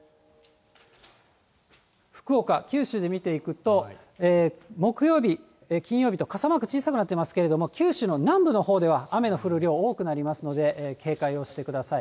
福岡、九州で見ていくと、木曜日、金曜日と傘マーク小さくなってますけれども、九州の南部のほうでは雨の降る量、多くなりますので、警戒をしてください。